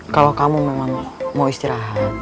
kalau kamu memang mau istirahat